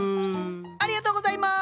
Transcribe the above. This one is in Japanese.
ありがとうございます！